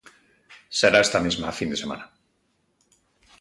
Será esta mesma fin de semana.